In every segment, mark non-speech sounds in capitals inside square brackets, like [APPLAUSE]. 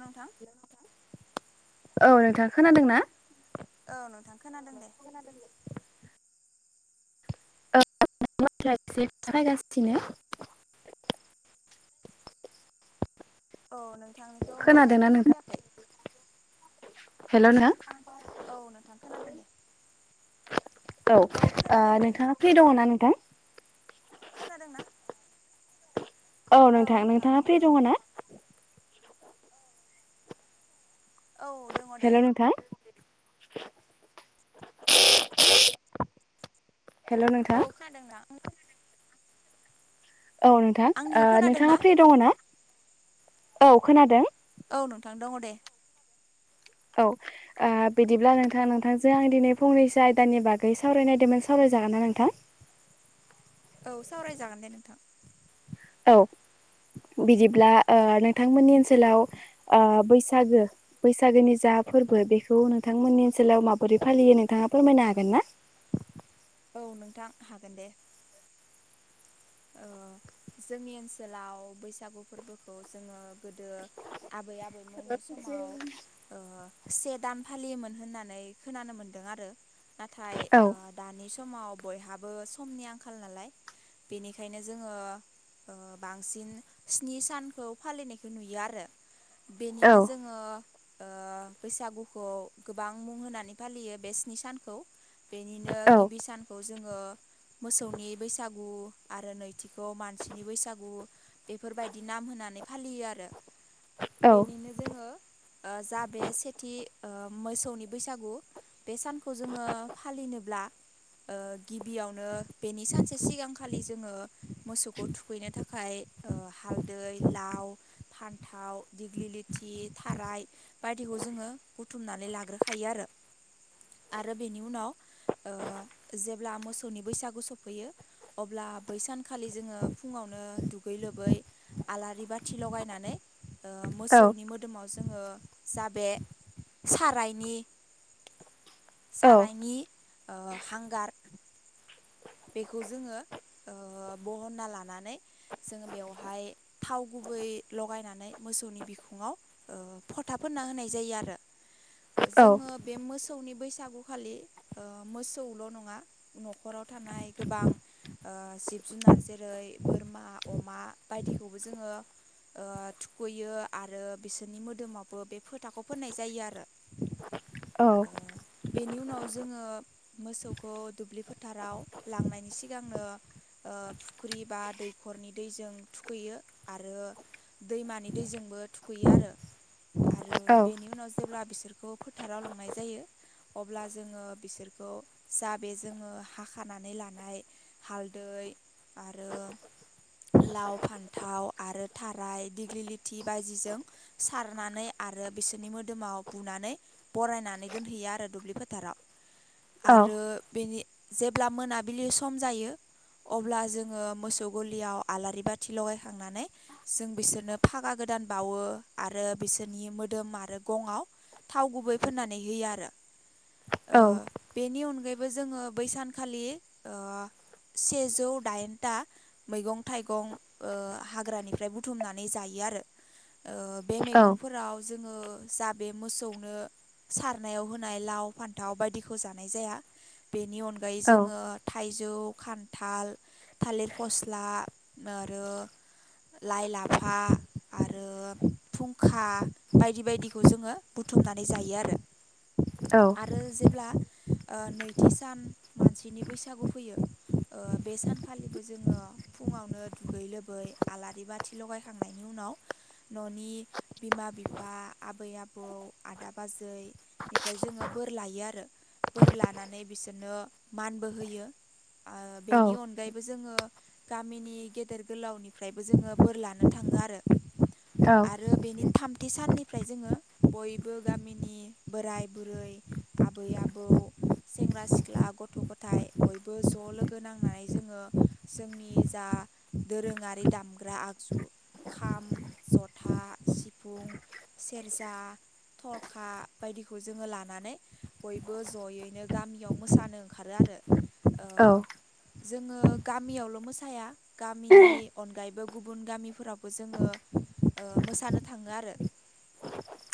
नोंथां औ नोंथाङा खोनादोंना औ नोंथां खोनादों दे [UNINTELLIGIBLE] औ बाथ्रा एसे सायगासिनो [INAUDIBLE] औ नोंथांनिखौ मोजाङै खोना नोंथां फैयाखै हेल' नोंथां औ नोंथां खोनादों दे औ खोनादों दे नोंथाङा फ्रि दङ ना नोंथां खोनादोंना औ नोंथां नोंथाङा फ्रि दङ ना औ दङ दे हेल' नोंथां हेल' नोंथां औ खोनादोंना औ नोंथां आंनिखौ ओ खोनादों ना नोंथाङा फ्रि दङ ना औ खोनादों औ नोंथां दङ दे। औ ओ बिदिब्ला नोंथां नोंथांजों आं दिनै फंनैसो आयदानि बागै सावरायनायदोंमोन सावराय जागोना नोंथां औ सावरायजागोन दे नोंथां औ बिदिब्ला ओ नोंथांमोननि ओनसोलाव ओ बैसागो बैसागोनि जा फोरबो बेखौ नोंथांमोननि ओनसोलाव माबोरै फालियो नोंथाङा फोरमायनो हागोन ना औ नोंथां हागोन दे ओ [INAUDIBLE] जोंनि ओनसोलाव बैसागु फोरबोखौ जोङो गोदो आबै आबौ औ मोननि समाव ओ से दान फालियोमोन होननानै खोनानो मोन्दों आरो नाथाय ओ दानि सम आव बयहाबो समनि आंखाल नालाय बेनिखायनो जोङो ओ बांसिन स्नि सानखौ फालिनायखौ नुयो आरो बेनिनो जोंङो ओ बैसागुखौ गोबां मुं होनानै फालियो बे स्नि सानखौ। बेनिनो गिबि सानखौ जोंङो मोसौनि बैसागु आरो नैथिखौ मानसिनि बैसागु बेफोरबायदि नाम होनानै फालियो आरो। बेनिनो जोंङो ओ जा बे सेथि ओ मोसौनि बैसागु बे सानखौ जोंङो फालिनोब्ला ओ गिबियावनो बेनि सानसे सिगां खालि जोंङो मोसौखौ थुखैनो थाखाय ओ हालदै लाव फान थाव दिग्लिलिथि थाराय बायदिखौ जोंङो बुथुमनानै लाग्रोखायो आरो आरो बेनि उनाव ओ जेब्ला मोसौनि बैसागु सफैयो अब्ला बै सानखालि जोंङो फुंङावनो दुगै लोबै आलारि बाथि लगायनानै ओ मोसौनि मोदोमाव जोंङो जा बे सारायनि सारायनि ओ हांगार बेखौ जोंङो ओ बहनना लानानै जोंङो बेवहाय थाव गु गुबै लगायनानै मोसौनि बिखुंङाव ओ फथा फोनना होनाय जायो आरो। [INAUDIBLE] जोंङो बे मोसौनि बैसागुखालि ओ मोसौल' नंङा न'खराव थानाय गोबां ओ जिब जुनार जेरै बोरमा अमा बायदिखौबो जोङो ओ। ओ थुखैयो आरो बिसोरनि मोदोमावबो बे फोथाखौ फोननाय जायो आरो। औ। ओ बेनि उनाव जोंङो मोसौखौ दुब्लि फोथाराव लांनायनि सिगांनो ओ फुख्रि बा दैखरनि दैजों थुखैयो आरो दैमानि दै जोंबो थुैयो आरो आरो बेनि उनाव जेब्ला बि बिसोरखौ फोथाराव लांनाय जायो अब्ला जोंङो बिसोरखौ जा बे जोंङो हाख खानानै लानाय हालदै आरो लाव फान्थाव आरो थाराय दिग्लिलिथि बाजिजों सारनानै आरो बिसोरनि मोदोमाव बुनानै बरायनानै दोनहैयो आरो दुब्लि फोथाराव। आरो बेनि जेब्ला मोनाबिलि सम जायो। अब्ला जोंङो मोसौ गलियाव आलारि बाथि लगायखांनानै जों बिसोरनो फागा गो दान बाववो आरो बिसोरनि मोदोम आरो गंआव थाव गुबै फोननानै होयो आरो ओ बेनि अनगायैबो जोंङो बैसानखालि ओ सेजौ दाइनथा मैगं थाइगं ओ हाग्रानिफ्राय बुथुमनानै जायो आरो ओ बे मैगंफोराव जोंङो जा बे मोसौनो सारनायाव होनाय लाव फान्थाव बायदिखौ जानाय जाया। बेनि अनगायै जोंङो थाइजौ खान्थाल थालिर फस्ला आरो लाइ लाफा आरो फुंखा बायदि बायदिखौ जोंङो बुथुम थुमनानै जायो आरो आरो जेब्ला ओ नै थि सान मानसिनि बैसागु फैयो। ओ बे सानखालिबो जोंङो फुंङावनो दुगै लोबै आलारि बाथि लगायखांनायनि उन नाव न'नि बिमा बिफा आबै आबौ आदा बाजै बेनिफ्राय जोंङो बोर लायो आरो बोर लानानै बिसोरनो मानबो होयो। ओ बेनि अनगायैबो जोंङो गामिनि गेदेर गोलावनिफ्रायबो जोंङो बोर लानो थां ङो आरो आरो बेनि थाम थि साननिफ्राय जोंङो बयबो गामिनि बोराय बुरै आबै आबौ सेंग्रा सिख्ला गथ' गथाय बयबो ज' लोगो नांनानै जोंङो जोंनि जा दोरोंङारि दामग्रा आगजु खाम जथा सिफुं सेरजा थरखा बायदिखौ जोंङो लानानै बयबो जयैनो गामियाव मोसानो ओंखारो आरो औ जोंङो गामियावल' मोसाया गामिनि अनगायैबो गुबुन गामिफोरावबो जोंङो ओ मोसानो थांङो आरो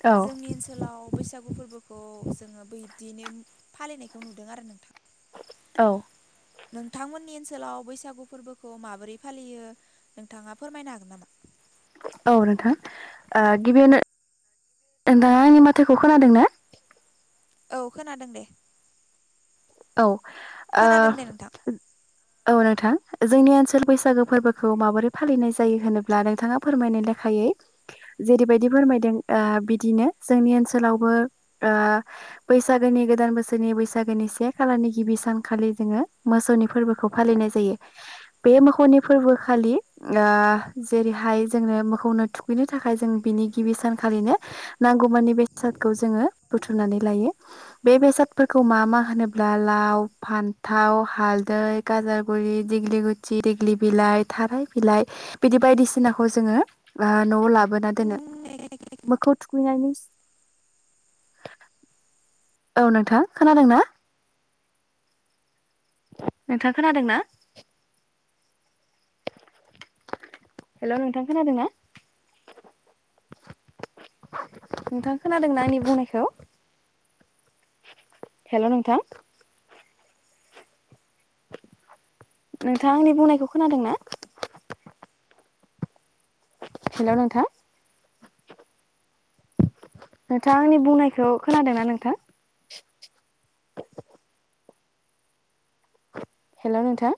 औ जोंनि ओनसोलाव बैसागु फोरबोखौ जोंङो बैदिनो फालिनायखौ नुदों आरो नोंथां औ नोंथांमोननि ओनसोलाव बैसागु फोरबोखौ माबोरै फालियो नोंथांङा फोरमायनो हागोन नामा? औ नोंथां ओ गिबियावनो नोंथांङा आंनि माथोयखौ खोनादों ना? औ खोनादों दे औ ओ खोनादों दे औ नोंथां जोंनि ओनसोल बैसागो फोरबोखौ माबोरै फालिनाय जायो होनोब्ला नोंथांङा फोरमायनाय लेखायै जेरैबायदि फोरमायदों ओ बिदिनो जोंनि ओनसोलावबो ओ बैसागोनि गोदान गोदान बोसोरनि बैसागोनि से खालारनि गिबि सानखालि जोंङो मोसौनि फोरबोखौ फालिनाय जायो। बे मोखौनि फोरबो खालि खालि आ जेरैहाय जोंनो मोखौनो थुखैनो थाखाय जों बिनि गिबि सानखालिनो नांगौमानि बेसादखौ जोंङो बुथुमनानै लायो बे बेसादफोरखौ मा मा होनोब्ला दालाव फान्थाव हालदै गाजरगुरि दिग्लि गुथि दिग्लि बिलाइ थाराय बिलाइ बिदि बायदिसिनाखौ जोंङो ओ न'आव लाबो बोना दोनो नोंथां मोखौ थुखैनायनि सि औ नोंथां खोनादोंना? नोंथांङा खोनादों ना? हेलौ नोंथां खोनादों ना? नोंथां खोनादोंना आंनि बुंनायखौ? हेलौ नोंथां नोंथांङा आंनि बुंनायखौ खोनादों ना? हेलौ नोंथां नोंथांङा आंनि बुंनायखौ खोनादोंना नोंथां? [INAUDIBLE] हेलौ नोंथां